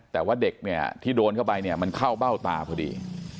แต่ว่าเด็กเนี่ยที่โดนเข้าไปเนี่ยมันเข้าเบ้าตาพอดี